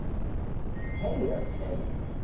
へいいらっしゃい！